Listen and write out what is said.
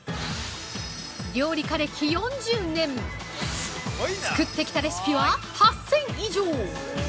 料理家歴４０年作ってきたレシピは８０００以上。